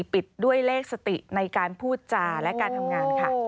ปิดด้วยเลขสติในการพูดจาและการทำงานค่ะ